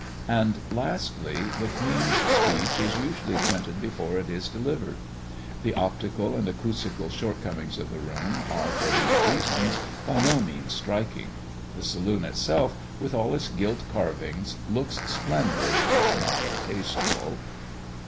And lastly, the Queen's speech is usually printed before it is delivered. The optical and acoustical shortcomings of the room are, for these reasons, by no means striking. The saloon itself, with all its gilt carvings, looks splendid, if not tasteful.